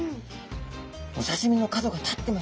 お刺身の角が立ってますね。